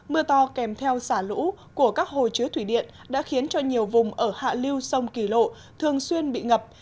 mưa to kèm theo xả lũ của các hồ chứa thủy điện đã khiến cho nhiều vùng ở hạ liêu sông kỳ lộ thường xuyên bị ngập